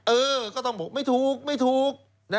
เออก็ต้องบอกไม่ถูก